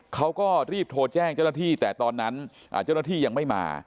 เขาก็รีบโทรแจ้งเจ้าหน้าที่แต่ตอนนั้นเจ้าหน้าที่ยังไม่มา